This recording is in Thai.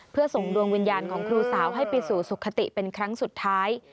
เพื่อส่งดวงวิญญาณของครูสาวให้ไปสู่สุขติเป็นครั้งสุดท้าย